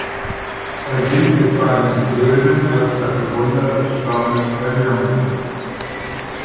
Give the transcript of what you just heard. Er gilt mit seinen Söhnen als der Begründer des Stammes Benjamin.